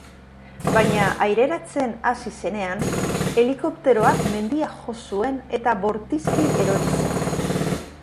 Baina aireratzen hasi zenean, helikopteroak mendia jo zuen eta bortizki erori zen.